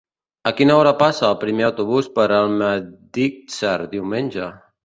A quina hora passa el primer autobús per Almedíxer diumenge?